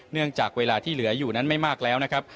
เนื่องจากเวลาที่เหลืออยู่นั้นไม่มากแล้วนะครับ